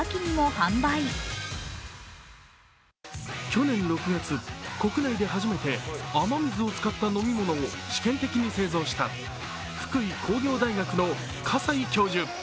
去年６月、国内で初めて雨水を使った飲み物を試験的に製造した福井工業大学の笠井教授。